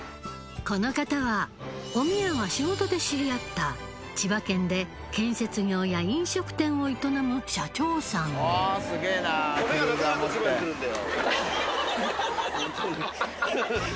この方はお宮が仕事で知り合った千葉県で建設業や飲食店を営む社長さんハハハ！